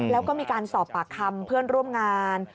แล้วก็มีการสอบปากคำเพื่อนร่วมงาน